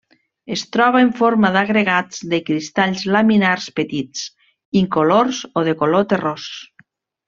Es troba en forma d'agregats de cristalls laminars petits, incolors o de color terrós.